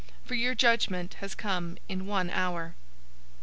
For your judgment has come in one hour.'